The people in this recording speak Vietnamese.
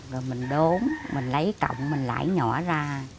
rồi mình đốn mình lấy cọng mình lãi nhỏ ra